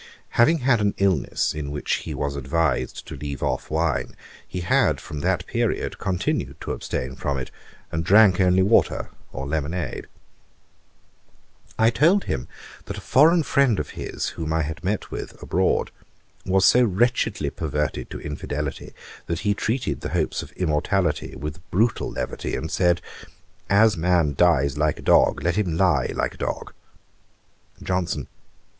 Having had an illness, in which he was advised to leave off wine, he had, from that period, continued to abstain from it, and drank only water, or lemonade. I told him that a foreign friend of his, whom I had met with abroad, was so wretchedly perverted to infidelity, that he treated the hopes of immortality with brutal levity; and said, 'As man dies like a dog, let him lie like a dog.' JOHNSON.